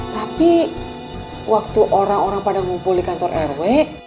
tapi waktu orang orang pada ngumpul di kantor rw